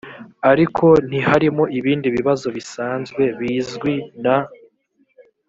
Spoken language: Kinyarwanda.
ariko ntiharimo ibindi bibazo bisanzwe bizwi na